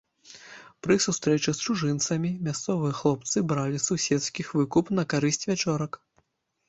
Пры сустрэчы з чужынцамі мясцовыя хлопцы бралі з суседскіх выкуп на карысць вячорак.